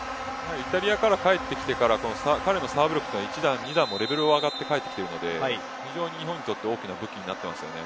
イタリアから帰ってきてからの彼のサーブ力が一段も二段も上がって帰ってきているので日本の非常に大きな武器になっていますよね。